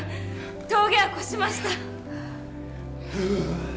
峠は越しました